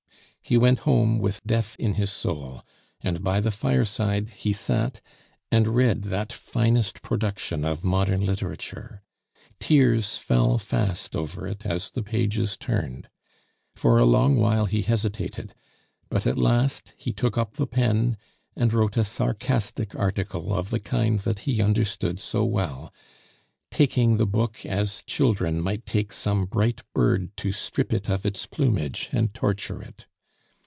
He went home with death in his soul; and by the fireside he sat and read that finest production of modern literature. Tears fell fast over it as the pages turned. For a long while he hesitated, but at last he took up the pen and wrote a sarcastic article of the kind that he understood so well, taking the book as children might take some bright bird to strip it of its plumage and torture it.